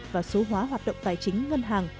và số hóa hoạt động tài chính ngân hàng